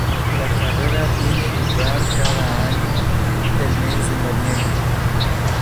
La carrera tiene lugar cada año el mes de noviembre.